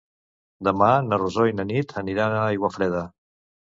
Demà na Rosó i na Nit aniran a Aiguafreda.